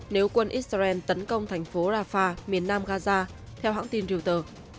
nếu quân israel tấn công thành phố rafah miền nam gaza theo hãng tin riều tờ